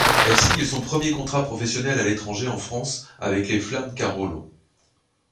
Elle signe son premier contrat professionnel à l'étranger en France avec les Flammes Carolo.